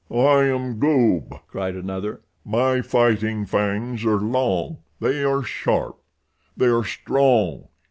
"I am Goob," cried another. "My fighting fangs are long. They are sharp. They are strong.